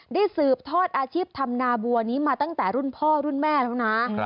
สืบทอดอาชีพทำนาบัวนี้มาตั้งแต่รุ่นพ่อรุ่นแม่แล้วนะ